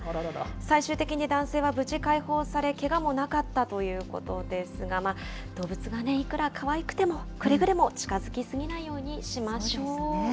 最終的に男性は無事解放され、けがもなかったということですが、動物がいくらかわいくても、くれぐれも近づきすぎないようにしましょう。